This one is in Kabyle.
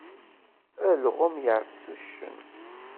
Alɣem yeɛfes uccen.